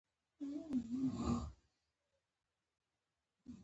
ميرويس خان وويل: خو په رباط کې ستا قوم پروت دی.